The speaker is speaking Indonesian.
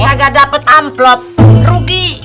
kagak dapat amplop rugi